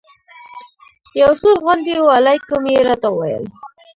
یو سوړ غوندې وعلیکم یې راته وویل.